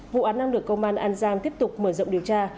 vụ án năng lực công an an giang tiếp tục mở rộng điều tra